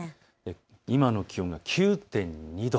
今の気温が９．２度。